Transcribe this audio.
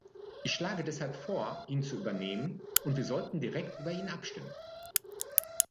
Ich schlage deshalb vor, ihn zu übernehmen, und wir sollten direkt über ihn abstimmen.